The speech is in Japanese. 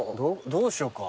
どうしようか。